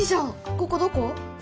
ここどこ？